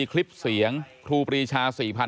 คลิปเสียงครูปรีชา